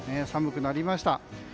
寒くなりました。